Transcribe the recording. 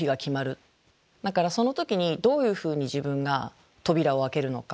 だからその時にどういうふうに自分が扉を開けるのか。